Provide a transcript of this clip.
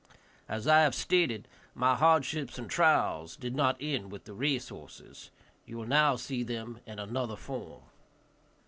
As I have stated, my hardships and trials did not end with the race horses; you will now see them in another form.